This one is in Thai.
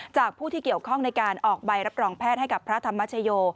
ผู้ที่เกี่ยวข้องในการออกใบรับรองแพทย์ให้กับพระธรรมชโย